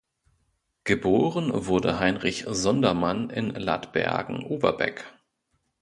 Geboren wurde Heinrich Sundermann in Ladbergen-Overbeck.